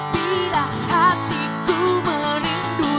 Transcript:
bila hatiku merindu